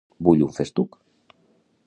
Vull un festuc.